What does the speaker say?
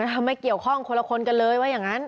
ไม่เกี่ยวข้องคนละคนกันเลยว่าอย่างนั้น